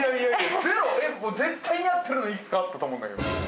絶対に合ってるのいくつかあったと思うんだけど。